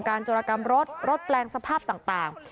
โจรกรรมรถรถแปลงสภาพต่าง